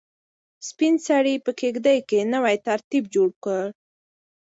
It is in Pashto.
سپین سرې په کيږدۍ کې نوی ترتیب جوړ کړ.